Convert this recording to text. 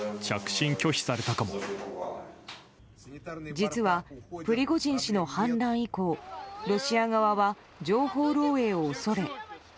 実はプリゴジン氏の反乱以降ロシア側は情報漏洩を恐れ。